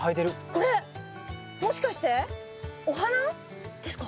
これもしかしてお花ですか？